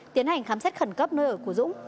tiến hành khám xét khẩn cấp nơi ở của dũng